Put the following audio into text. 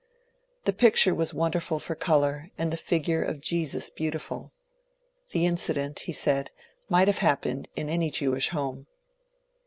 The picture was wonderful for colour, and the figure of Jesus beautiful. The incident, he said, might have happened in any Jewish home.